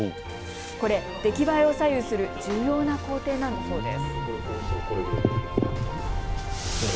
これ、出来栄えを左右する重要な工程なんだそうです。